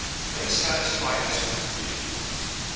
They satisfy us completely.